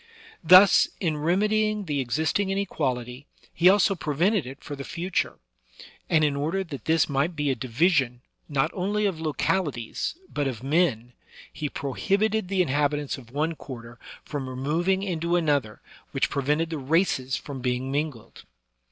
Thus, in remedying the existing inequality, he also pre vented it for the future ; and in order that this might be a division, not only of localities, but of men, he prohib ited the inhabitants of one quarter from removing into another, which prevented the races from being mingled.